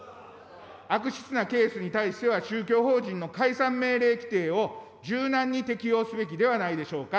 悪質なケースに対しては、宗教法人の解散命令規定を柔軟に適用すべきではないでしょうか。